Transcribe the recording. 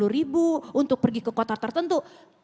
lima puluh ribu untuk pergi ke kota tertentu